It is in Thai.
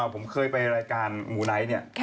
ผมเคยไปรายการหมู่ไนท์เนี่ย